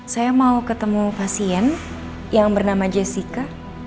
saya mau ketemu pasien yang bernama jessica